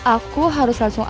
aku harus langsung